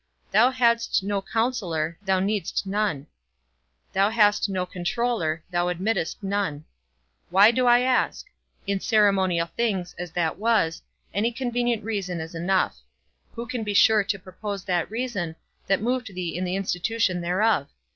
Thou hadst no counsellor, thou needst none; thou hast no controller, thou admittedst none. Why do I ask? In ceremonial things (as that was) any convenient reason is enough; who can be sure to propose that reason, that moved thee in the institution thereof?